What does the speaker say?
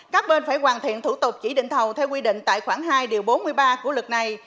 các bên phải hoàn thiện thủ tục chỉ định thầu theo quy định tại khoảng hai bốn mươi ba của luật này